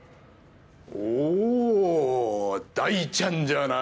・お大ちゃんじゃない。